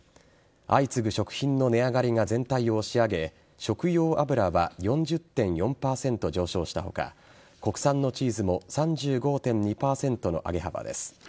相次ぐ食品の値上がりが全体を押し上げ食用油は４０．４％上昇した他国産のチーズも３５．２％の上げ幅です。